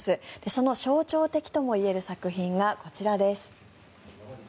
その象徴的ともいえる作品がこちらです。